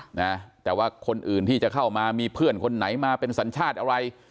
นะแต่ว่าคนอื่นที่จะเข้ามามีเพื่อนคนไหนมาเป็นสัญชาติอะไร